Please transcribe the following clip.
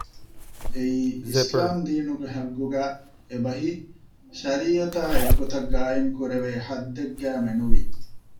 އެއީ އިސްލާމް ދީނުގެ ޙައްޤުގައި، އެބަހީ: ޝަރީޢަތާ އެއްގޮތަށް ޤާއިމު ކުރެވޭ ޙައްދެއްގައި މެނުވީ